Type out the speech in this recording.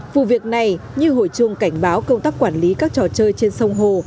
vụ việc này như hồi chuông cảnh báo công tác quản lý các trò chơi trên sông hồ